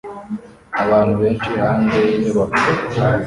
abantu benshi hanze yinyubako